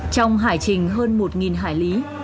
trong hải trình hơn một hải lý